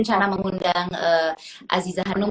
ini cara mengundang aziza hanum